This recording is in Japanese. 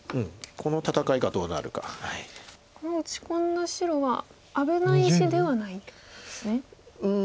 この打ち込んだ白は危ない石ではないんですね。